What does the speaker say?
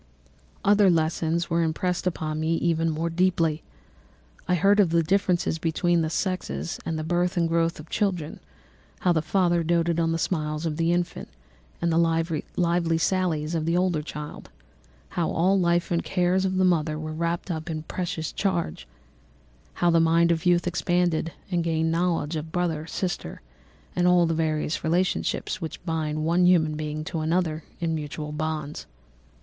"Other lessons were impressed upon me even more deeply. I heard of the difference of sexes, and the birth and growth of children, how the father doted on the smiles of the infant, and the lively sallies of the older child, how all the life and cares of the mother were wrapped up in the precious charge, how the mind of youth expanded and gained knowledge, of brother, sister, and all the various relationships which bind one human being to another in mutual bonds.